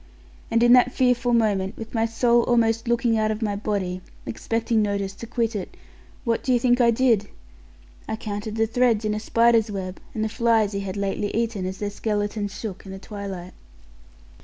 And in that fearful moment, with my soul almost looking out of my body, expecting notice to quit it, what do you think I did? I counted the threads in a spider's web, and the flies he had lately eaten, as their skeletons shook in the twilight.